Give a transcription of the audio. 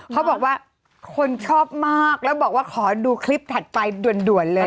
เขาบอกว่าคนชอบมากแล้วบอกว่าขอดูคลิปถัดไปด่วนเลย